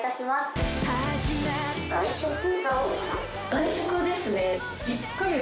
外食ですね。